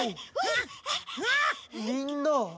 みんな。